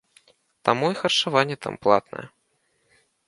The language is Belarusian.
Таму і харчаванне там платнае.